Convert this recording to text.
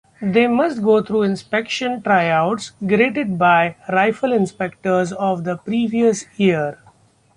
They must go through inspection tryouts graded by rifle inspectors of the previous year.